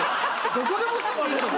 どこでも住んでいいんすか？